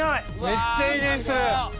めっちゃいい匂いする。